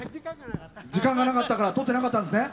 時間がなかったから取ってなかったんですね。